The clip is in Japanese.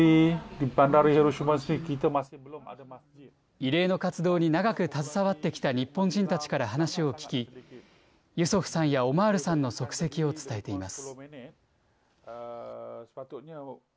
慰霊の活動に長く携わってきた日本人たちから話を聞き、ユソフさんやオマールさんの足跡を伝えています。